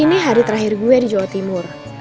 ini hari terakhir gue di jawa timur